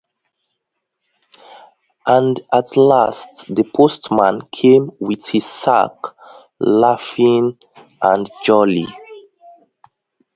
And at last the postman came with his sack, laughing and jolly.